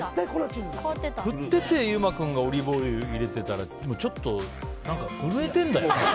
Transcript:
振ってて優馬君がオリーブオイル入れてたらちょっと震えてるんだよね。